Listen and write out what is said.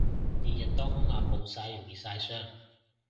烈日當空下暴曬容易曬傷